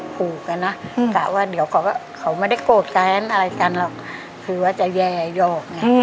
พูกอะนะกะว่าเดี๋ยวเขาก็เข้าไม่ได้โกรธแท้อะไรทั้งแบบนี้คือว่าจะแย้ยอกงั้น